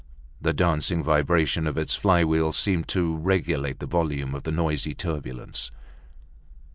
The dancing vibration of its flywheel seemed to regulate the volume of the noisy turbulence.